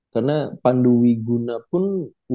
karena pandu wiguna pun